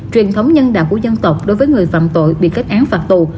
truyền thống nhân đạo của dân tộc đối với người phạm tội bị kết án phạt tù